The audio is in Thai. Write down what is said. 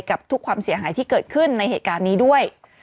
กับทุกความเสียหายที่เกิดขึ้นในเหตุการณ์นี้ด้วย